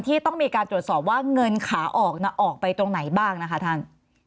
ที่ต้องมีการตรวจสอบว่าเงินขาออกออกไปตรงไหนบ้างนะคะท่าน